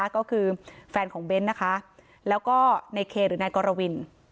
ก็คือแฟนของเบ้นนะคะแล้วก็ในเคหรือนายกรวิน